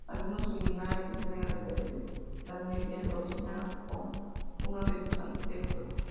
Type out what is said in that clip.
Algunos linajes reales de la edad media lo señalan como uno de sus ancestros.